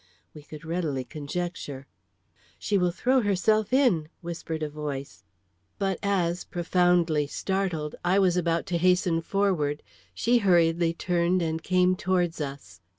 We could readily conjecture. "She will throw herself in," whispered a voice; but as, profoundly startled, I was about to hasten forward, she hurriedly turned and came towards us.